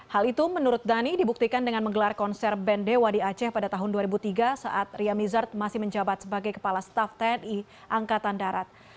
hal itu menurut dhani dibuktikan dengan menggelar konser band dewa di aceh pada tahun dua ribu tiga saat ria mizard masih menjabat sebagai kepala staf tni angkatan darat